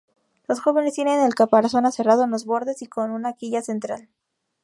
Los jóvenes tienen el caparazón aserrado en los bordes y con una quilla central.